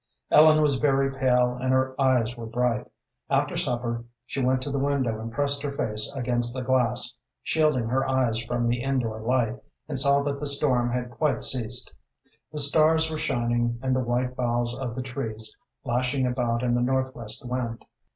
Ellen was very pale and her eyes were bright. After supper she went to the window and pressed her face against the glass, shielding her eyes from the in door light, and saw that the storm had quite ceased. The stars were shining and the white boughs of the trees lashing about in the northwest wind.